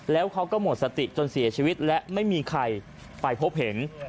แล้วเขาก็หมดสติจนเสียชีวิตและไม่มีใครไปพบเห็น